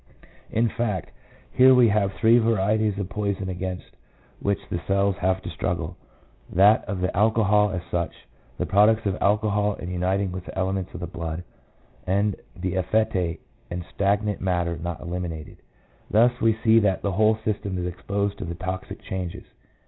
i In fact, here we have three varieties of poison against which the cells have to struggle — that of the alcohol as such, the products of alcohol in uniting with the elements of the blood, 2 and the effete and stagnant matter not eliminated. Thus we see that the whole system is exposed to the toxic changes.